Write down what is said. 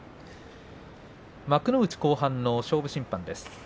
幕内後半の勝負審判です。